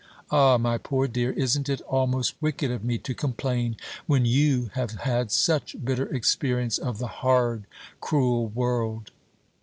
Ah, my poor dear! isn't it almost wicked of me to complain, when you have had such bitter experience of the hard cruel world?